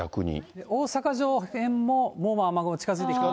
大阪城ら辺ももう雨雲近づいてきて。